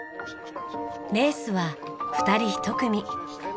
レースは２人１組。